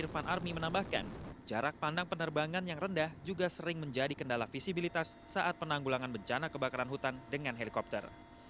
irfan armi menambahkan jarak pandang penerbangan yang rendah juga sering menjadi kendala visibilitas saat penanggulangan bencana kebakaran hutan dengan helikopter